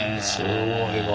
すごいわ。